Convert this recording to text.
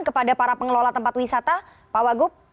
kepada para pengelola tempat wisata pak wagub